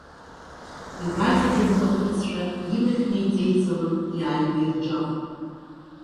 Игәаҵа дынҭахәыцшәа, илахь неиҵеицалан, иааимаирџахәт.